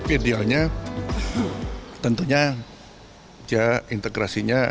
idealnya tentunya integrasinya